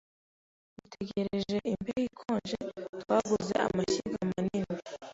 Dutegereje imbeho ikonje, twaguze amashyiga manini.